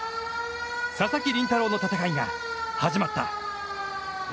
佐々木麟太郎の戦いが、始まった。